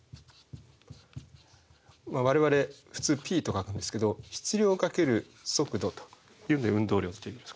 我々普通ｐと書くんですけど質量×速度というので運動量といいます。